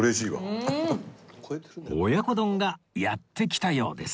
親子丼がやって来たようです